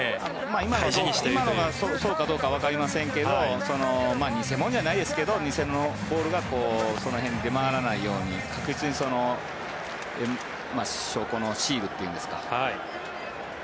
今のがそうかどうかはわかりませんが偽物じゃないですけど偽のボールがその辺に出回らないように確実に証拠のシールっていうんですか。